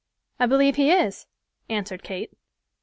"I believe he is," answered Kate.